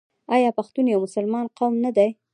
آیا پښتون یو مسلمان قوم نه دی؟